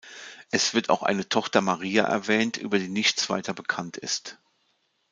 Es wird auch eine Tochter Maria erwähnt, über die nichts weiter bekannt ist.